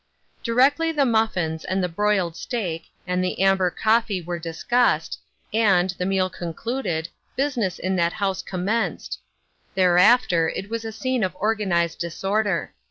Directly the muffins and the broiled steak and Trying Questions, 827 the amber coffee were discussed, and, the meaJ concluded, business in that house commenced. Thereafter it was a scene of organized disorder.